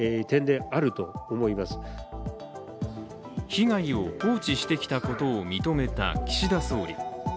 被害を放置してきたことを認めた岸田総理。